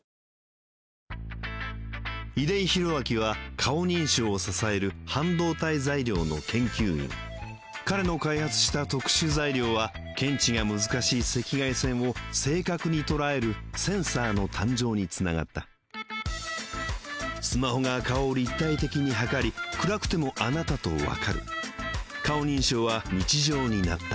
出井宏明は顔認証を支える半導体材料の研究員彼の開発した特殊材料は検知が難しい赤外線を正確に捉えるセンサーの誕生につながったスマホが顔を立体的に測り暗くてもあなたとわかる顔認証は日常になった